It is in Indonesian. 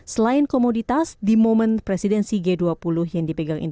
selain komoditas di momen presiden cg dua puluh